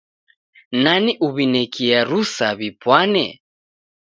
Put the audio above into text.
Nani uw'inekie rusa w'ipwane?